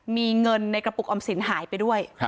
มีเงินในกระปุกออมสินหายไปด้วย